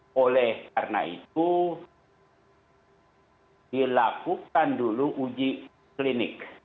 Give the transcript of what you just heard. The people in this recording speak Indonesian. oleh karena itu dilakukan dulu uji klinik